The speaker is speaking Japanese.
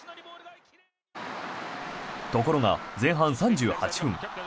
ところが、前半３８分。